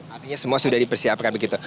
artinya semua sudah dipersiapkan begitu